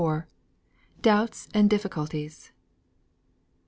DOUBTS AND DIFFICULTIES.